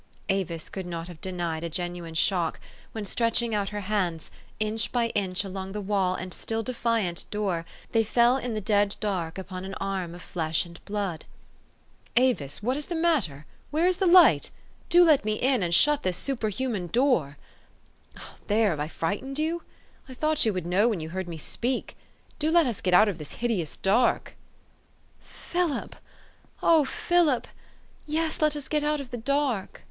" Avis could not have denied a genuine shock, when, stretching out her hands, inch by inch along the wall and still defiant door, they fell in the dead dark upon an arm of flesh and blood. " Avis, what is the matter? Where is the light? Do let me in, and shut this superhuman door! 382 THE STORY OF AVIS. There! Have I frightened you? I thought you would know when you heard me speak. Do let us get out of this hideous dark !"" Philip! O Philip! yes, let us get out of the dark!"